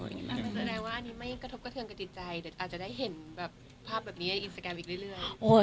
มันแสดงว่าอันนี้ไม่กระทบกระเทือนกับจิตใจเดี๋ยวอาจจะได้เห็นแบบภาพแบบนี้ในอินสตาแกรมอีกเรื่อย